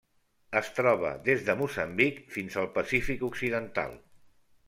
Es troba des de Moçambic fins al Pacífic occidental.